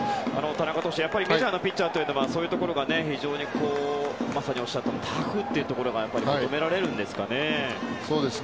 田中投手、メジャーのピッチャーというのはそういうところがおっしゃっていたタフというところが求められるんですかね。